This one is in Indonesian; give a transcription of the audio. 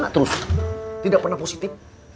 terus tidak pernah positif